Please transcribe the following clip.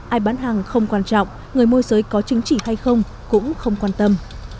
ai bán hàng không quan trọng người môi giới có chứng chỉ hay không cũng không quan tâm